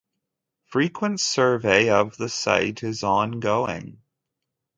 Frequent survey of the site is ongoing.